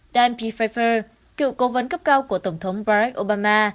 dan pfeiffer cựu cố vấn cấp cao của tổng thống barack obama